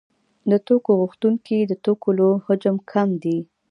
د توکو غوښتونکي د توکو له حجم کم دي